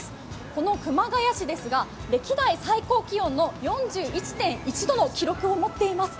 この熊谷市ですが歴代最高気温の４１．１度の記録を持っています。